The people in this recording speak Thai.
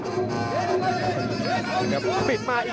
ส่วนหน้านั้นอยู่ที่เลด้านะครับ